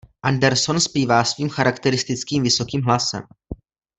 Anderson zpívá svým charakteristickým vysokým hlasem.